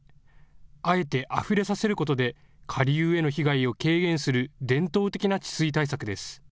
あえて、あふれさせることで下流への被害を軽減する伝統的な治水対策です。